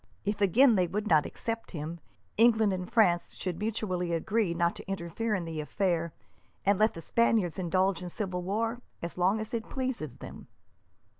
If, again, they would not accept him, England and France should mutually agree not to interfere in the affair, and let the Spaniards indulge in civil war as long as it pleases them."